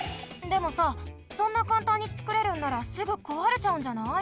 でもさそんなかんたんにつくれるんならすぐこわれちゃうんじゃない？